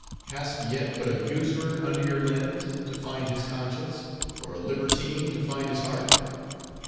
Hast yet put a usurer under your lens, to find his conscience? or a libertine, to find his heart?